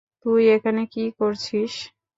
তুই এখানে কি করছিস?